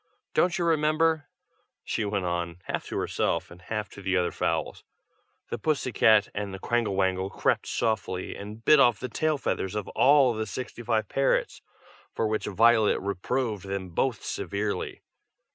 Don't you remember?" she went on, half to herself and half to the other fowls, "the Pussy Cat and the Quangle Wangle crept softly, and bit off the tail feathers of all the sixty five parrots; for which Violet reproved them both severely.